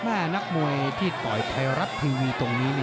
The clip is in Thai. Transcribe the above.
แม่นักมวยที่ปล่อยไทรัสทรีวีตรงนี้